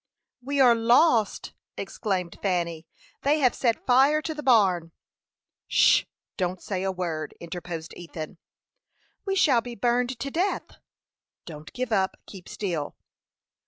"We are lost!" exclaimed Fanny. "They have set fire to the barn!" "'Sh! Don't say a word," interposed Ethan. "We shall be burned to death!" "Don't give up; keep still."